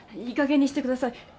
いいかげんにしてください。